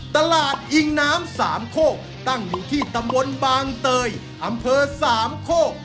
ตลาดอิงน้ำสามโคกตั้งอยู่ที่ตำบลบางเตยอำเภอสามโคก